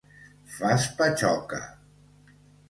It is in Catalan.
Fas patxoca!